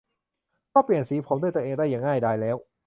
ก็เปลี่ยนสีผมด้วยตัวเองได้อย่างง่ายดายแล้ว